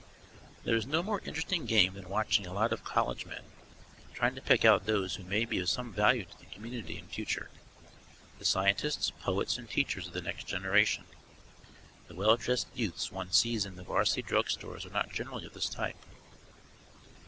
There is no more interesting game than watching a lot of college men, trying to pick out those who may be of some value to the community in future the scientists, poets, and teachers of the next generation. The well dressed youths one sees in the varsity drug stores are not generally of this type.